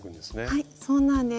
はいそうなんです。